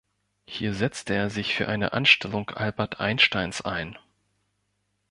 Hier setzte er sich für eine Anstellung Albert Einsteins ein.